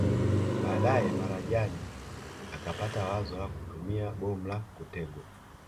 Baadae Marajani akapata wazo la kutumia bomu la kutegwa